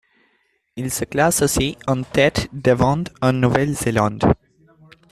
Il se classe aussi en tête des ventes en Nouvelle-Zélande.